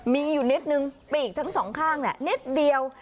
มีอยู่นิดนึงปีกทั้งสองข้างนิดเดียว